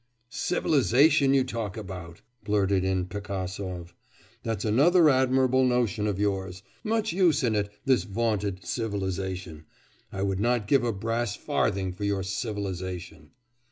'Civilisation you talk about!' blurted in Pigasov; 'that's another admirable notion of yours! Much use in it, this vaunted civilisation! I would not give a brass farthing for your civilisation!